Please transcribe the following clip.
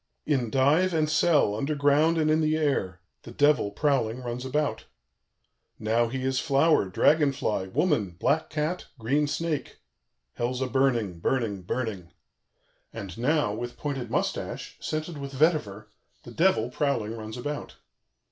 "In dive and cell, underground and in the air, the Devil, prowling, runs about. "Now he is flower, dragon fly, woman, black cat, green snake; Hell's a burning, burning, burning. "And now, with pointed mustache, scented with vetiver, the Devil, prowling, runs about.